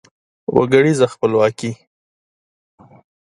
وګړیزه خپلواکي